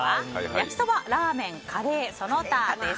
焼きそば・ラーメンカレー・その他です。